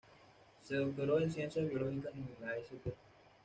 Se doctoró en Ciencias Biológicas en la St.